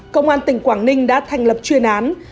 công an tỉnh quảng ninh đã thành lập chuyên án